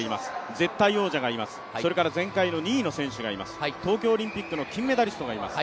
絶対王者がいます、前回の２位の選手がいます、東京オリンピックの金メダリストがいます。